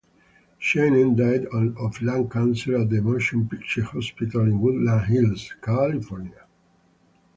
Shayne died of lung cancer at the Motion Picture Hospital in Woodland Hills, California.